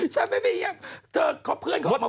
ฉันไม่เห็นอยากเพื่อนเค้าออกมา